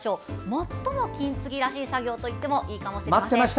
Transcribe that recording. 最も金継ぎらしい作業といってもいいかもしれません。